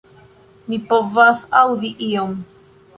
Mi povas aŭdi ion...